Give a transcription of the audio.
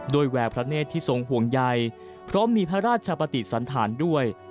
แววพระเนธที่ทรงห่วงใยพร้อมมีพระราชปฏิสันธารด้วย